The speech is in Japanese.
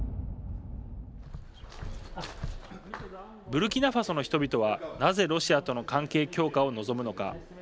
ブルキナファソの人々はなぜロシアとの関係強化を望むのか。